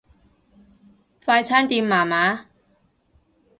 快餐店麻麻